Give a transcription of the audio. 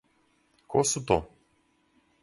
Ко су то?